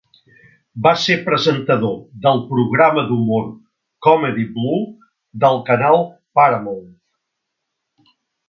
Va ser presentador del programa d'humor Comedy Blue del canal Paramount.